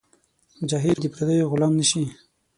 مجاهد د پردیو غلام نهشي.